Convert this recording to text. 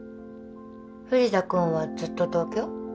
藤田君はずっと東京？